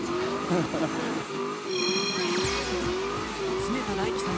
常田大希さん